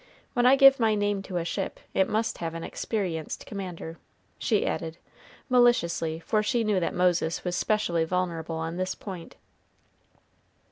When I give my name to a ship, it must have an experienced commander," she added, maliciously, for she knew that Moses was specially vulnerable on this point.